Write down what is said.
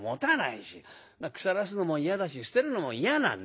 腐らすのも嫌だし捨てるのも嫌なんだ。